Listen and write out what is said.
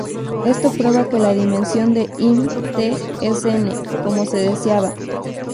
Esto prueba que la dimensión de im "T" es "n", como se deseaba.